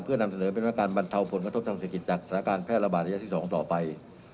เพื่อนำเสนอเป็นว่าการบรรเทาผลกระทบทางเศรษฐกิจจากสถานการณ์แพร่ระบาดระยะที่๒ต่อไป